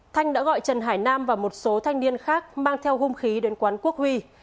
thanh đã gọi trần hải nam và một số thanh niên khác mang theo hung khí đến quán quốc huy